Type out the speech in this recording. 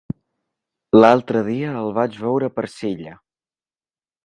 L'altre dia el vaig veure per Silla.